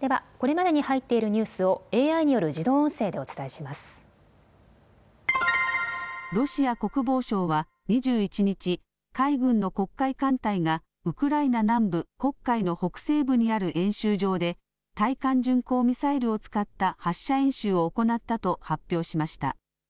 では、これまでに入っているニュースをＡＩによる自動音声でお伝えしまロシア国防省は２１日、海軍の黒海艦隊がウクライナ南部、黒海の北西部にある演習場で、対艦巡航ミサイルを使った発射演習を行ったと発表しました。